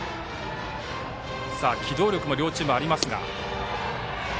機動力も両チームにありますが。